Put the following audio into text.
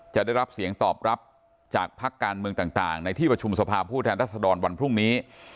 จะได้รับเสียงตอบรับจากพักการเมืองต่างในที่ประชุมสภาพผู้แทนรัศดรวันพรุ่งนี้